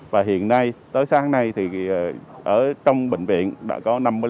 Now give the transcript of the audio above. và hiện nay tới sáng nay thì ở trong bệnh viện đã có năm mươi năm giường bệnh